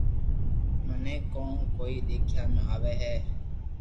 منو ڪون ڪوئي ديکيا ۾ آوي ھي